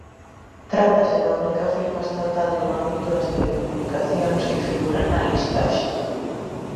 Tratase da única firma estatal do ámbito das telecomunicacións que figura na listaxe.